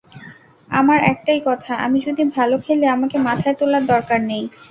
আমার একটাই কথা—আমি যদি ভালো খেলি, আমাকে মাথায় তোলার দরকার নেই।